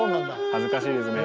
はずかしいですね。